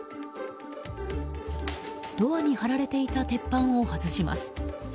ドアに張られていた鉄板を外します。